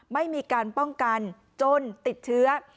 ไม่มีการป้องกันจนติดเชื้อ